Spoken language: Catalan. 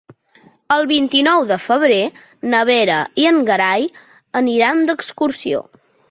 El vint-i-nou de febrer na Vera i en Gerai aniran d'excursió.